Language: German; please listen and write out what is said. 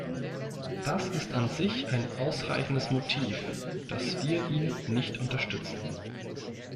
Das ist an sich ein ausreichendes Motiv, dass wir ihn nicht unterstützen.